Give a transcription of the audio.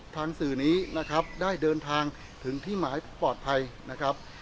สื่อนี้นะครับได้เดินทางถึงที่หมายปลอดภัยนะครับ